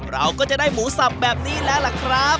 เราก็จะได้หมูสับแบบนี้แล้วล่ะครับ